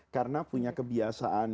karena punya kebiasaan